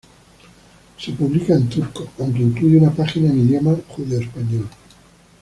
Se publica en turco, aunque incluye una página en idioma judeoespañol.